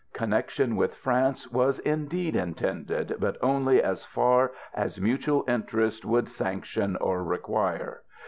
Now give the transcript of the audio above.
Connexion with France was indeed intended, but only as far as mutual interest would sanction or require.